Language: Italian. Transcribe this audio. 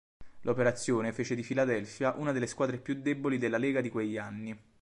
L'operazione fece di Filadelfia una delle squadre più deboli della lega di quegli anni.